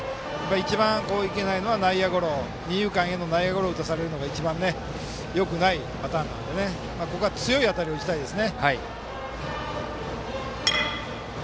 一番いけないのは二遊間への内野ゴロを打たされるのが一番よくないパターンなのでここは強い当たりを打ちたいです。